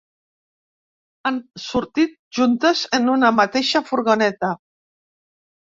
Han sortit juntes en una mateixa furgoneta.